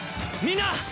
みんな！